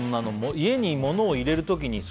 家に物を入れる時に、頭で。